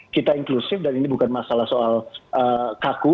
kita inklusif dan ini bukan masalah soal kaku